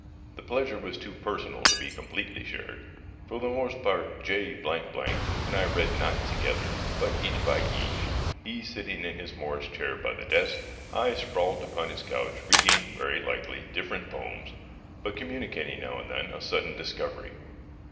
The pleasure was too personal to be completely shared; for the most part J and I read not together, but each by each, he sitting in his morris chair by the desk, I sprawled upon his couch, reading, very likely, different poems, but communicating, now and then, a sudden discovery.